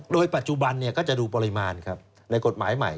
โดยปัจจุบันก็จะดูปริมาณครับในกฎหมายใหม่